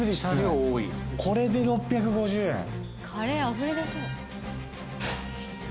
これで６５０円？